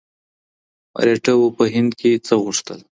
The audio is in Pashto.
مرهټه وو په هند کي څه غوښتل؟